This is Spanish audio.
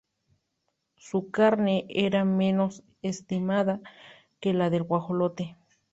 Su carne era menos estimada que la del guajolote.